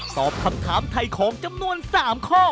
ตอบคำถามไถ่ของจำนวน๓ข้อ